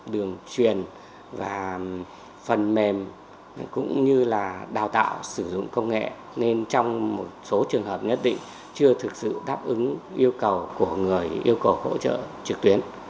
đường truyền và phần mềm cũng như là đào tạo sử dụng công nghệ nên trong một số trường hợp nhất định chưa thực sự đáp ứng yêu cầu của người yêu cầu hỗ trợ trực tuyến